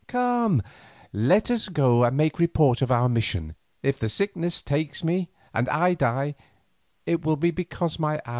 Come, let us go and make report of our mission. If the sickness takes me and I die, it will be because my hour has come."